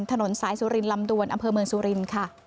ถนนสายสุรินลำดวนอำเภอเมืองสุรินทร์ค่ะ